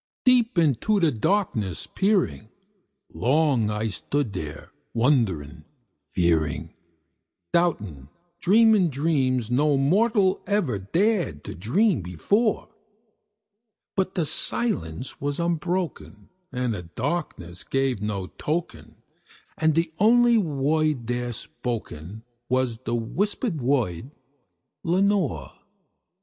Deep into that darkness peering, long I stood there wondering, fearing, Doubting, dreaming dreams no mortal ever dared to dream before; But the silence was unbroken, and the darkness gave no token, And the only word there spoken was the whispered word, "Lenore!"